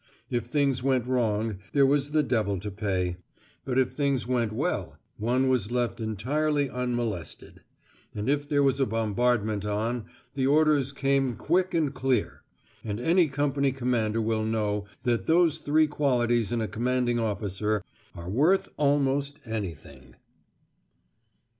If things went wrong, there was the devil to pay; but if things went well, one was left entirely unmolested; and if there was a bombardment on, the orders came quick and clear. And any company commander will know that those three qualities in a commanding officer are worth almost anything.